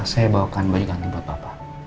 saya bawakan baju ganti buat bapak